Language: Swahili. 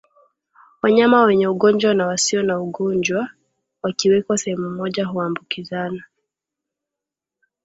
Wanyama wenye ugonjwa na wasio na ugonjwa wakiwekwa sehemu moja huambukizana